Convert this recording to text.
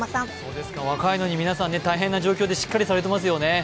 若いのに皆さん、大変な状況でしっかりされていますよね。